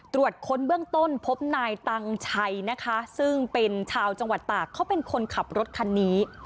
ตรวจค้นเบื้องต้นพบนายตังชัยนะคะซึ่งเป็นชาวจังหวัดตากเขาเป็นคนขับรถคันนี้